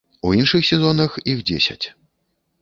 У іншых сезонах іх дзесяць.